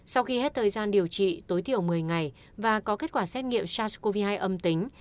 sau khi hết thời gian điều trị tối thiểu một mươi ngày và có kết quả xét nghiệm sars cov hai âm tính